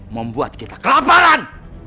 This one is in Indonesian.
membuat kita kelaparan